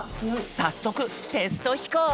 さっそくテストひこう。